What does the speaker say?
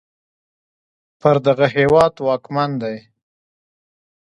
پر دغه هېواد واکمن دی